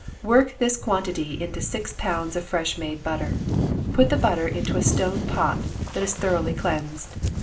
Work this quantity into six pounds of fresh made butter. Put the butter into a stone pot, that is thoroughly cleansed.